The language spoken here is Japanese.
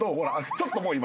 ちょっともう今。